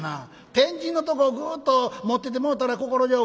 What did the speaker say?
天神のとこをグーッと持っててもうたら心丈夫で」。